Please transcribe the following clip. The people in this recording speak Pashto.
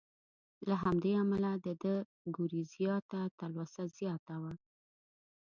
له همدې امله د ده ګورېزیا ته تلوسه زیاته وه.